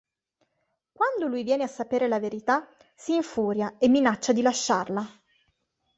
Quando lui viene a sapere la verità, si infuria e minaccia di lasciarla.